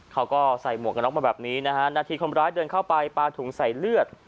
เขาก็ใส่หมวกกระน็อกมาแบบนี้นะฮะนาทีคนร้ายเดินเข้าไปปลาถุงใส่เลือด